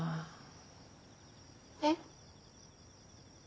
えっ？